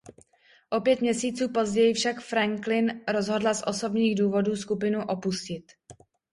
O pět měsíců později však Franklin rozhodla z osobních důvodů skupinu opustit.